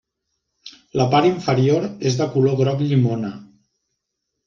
La part inferior és de color groc llimona.